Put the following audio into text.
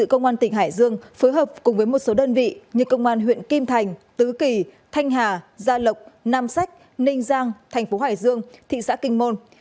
công an huyện kim thành tứ kỳ thanh hà gia lộc nam sách ninh giang thành phố hải dương thị xã kinh môn